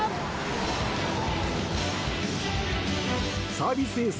サービスエース！